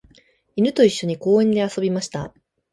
犬と一緒に公園で遊びました。